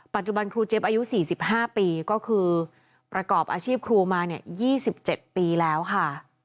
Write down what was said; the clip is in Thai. ปัจจุบันครูเจี๊ยบอายุ๔๕ปีก็คือประกอบอาชีพครูมา๒๗ปีแล้วค่ะ